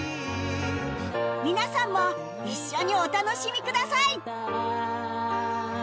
皆さんも一緒にお楽しみください